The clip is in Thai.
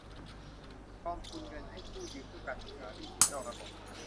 กองทุนเงินให้กู้ยืมเพื่อการศึกษา หนี้สินนอกระบบ